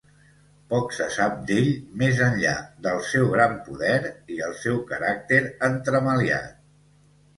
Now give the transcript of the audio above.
Poc se sap d'ell més enllà del seu gran poder i el seu caràcter entremaliat.